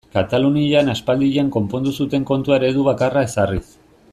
Katalunian aspaldian konpondu zuten kontua eredu bakarra ezarriz.